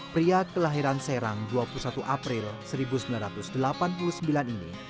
pria kelahiran serang dua puluh satu april seribu sembilan ratus delapan puluh sembilan ini